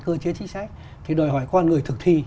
cơ chế chính sách thì đòi hỏi con người thực thi